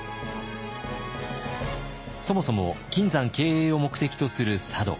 そもそも金山経営を目的とする佐渡。